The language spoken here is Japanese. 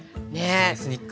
エスニック。